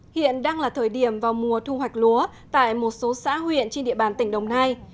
hiện đang là thời điểm vào mùa thu hoạch lúa tại một số xã huyện trên địa bàn tỉnh đồng nai